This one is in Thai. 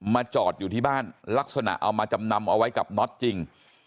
จอดอยู่ที่บ้านลักษณะเอามาจำนำเอาไว้กับน็อตจริง